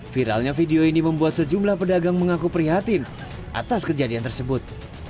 viralnya video ini membuat sejumlah pedagang mengaku prihatin atas kejadian tersebut